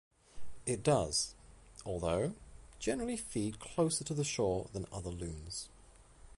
It does, although, generally feed closer to the shore than other loons.